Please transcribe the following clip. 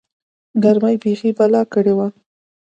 گرمۍ بيخي بلا کړې وه.